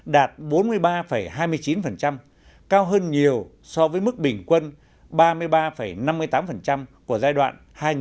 đạt bốn mươi ba hai mươi chín cao hơn nhiều so với mức bình quân ba mươi ba năm mươi tám của giai đoạn hai nghìn một mươi sáu hai nghìn hai mươi